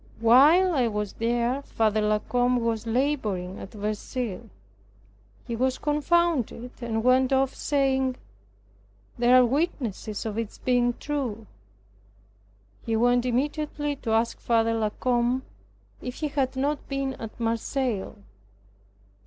While I was there, Father La Combe was laboring at Verceil." He was confounded and went off, saying, "There are witnesses of its being true." He went immediately to ask Father La Combe if he had not been at Marseilles.